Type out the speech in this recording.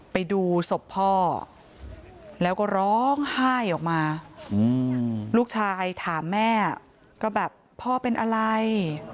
ไปดูศพพ่อแล้วก็ร้องไห้ออกมาลูกชายถามแม่ก็แบบพ่อเป็นอะไร